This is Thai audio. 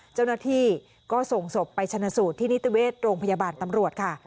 เจ้าหน้าที่ก็ส่งศพไปชนะสูตรที่นิติเวชโรงพยาบาลตำรวจค่ะ